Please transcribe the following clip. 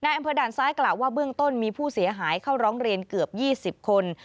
อำเภอด่านซ้ายกล่าวว่าเบื้องต้นมีผู้เสียหายเข้าร้องเรียนเกือบ๒๐คน